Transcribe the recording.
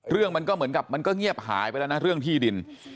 เรื่องมันก็เหมือนกับมันก็เงียบหายไปแล้วนะเรื่องที่ดิน